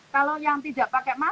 kalau yang tidak pakai masker